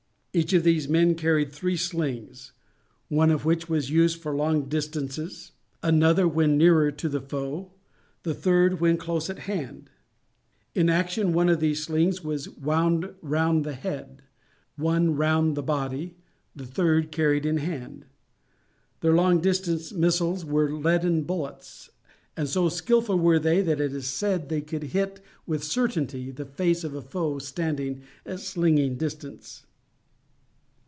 Each of these men carried three slings, one of which was used for long distances, another when nearer to the foe, the third when close at hand. In action one of these slings was wound round the head, one round the body, the third carried in hand. Their long distance missiles were leaden bullets, and so skilful were they that it is said they could hit with certainty the face of a foe standing at slinging distance.